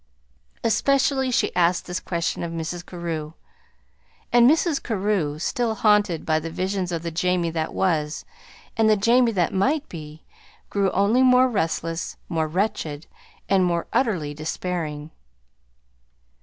Especially she asked this question of Mrs. Carew; and Mrs. Carew, still haunted by the visions of the Jamie that was, and the Jamie that might be, grew only more restless, more wretched, and more utterly despairing.